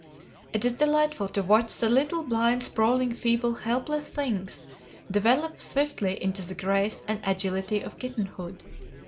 It is delightful to watch the little, blind, sprawling, feeble, helpless things develop swiftly into the grace and agility of kittenhood.